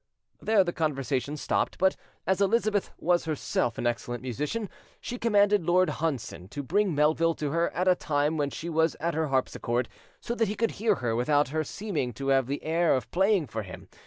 There the conversation stopped; but as Elizabeth was herself an excellent musician, she commanded Lord Hunsdon to bring Melville to her at a time when she was at her harpischord, so that he could hear her without her seeming to have the air of playing for him.